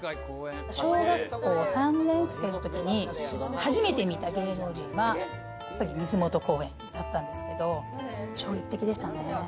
小学校３年生のときに初めて見た芸能人は水元公園だったんですけど、衝撃的でしたね。